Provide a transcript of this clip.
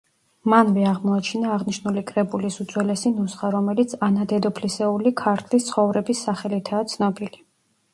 მანვე აღმოაჩინა აღნიშნული კრებულის უძველესი ნუსხა, რომელიც ანა დედოფლისეული „ქართლის ცხოვრების“ სახელითაა ცნობილი.